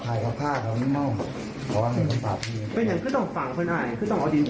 ตอนนั้นเขาก็ยังไงก่อนตามภาษาก็ไม่รู้